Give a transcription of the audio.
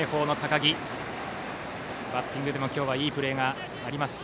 バッティングでも今日はいいプレーがあります。